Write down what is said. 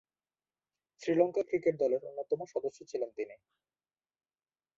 Sri Lanka cricket দলের অন্যতম সদস্য ছিলেন তিনি।